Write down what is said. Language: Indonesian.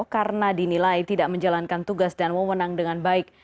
karena dinilai tidak menjalankan tugas dan mewenang dengan baik